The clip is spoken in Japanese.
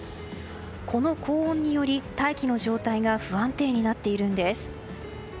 この高温により大気の状態が不安定になっているんです。